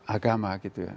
agama gitu ya